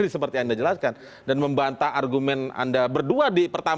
setelah jadwal berikut